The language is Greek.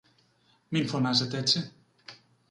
Μη φωνάζετε έτσι!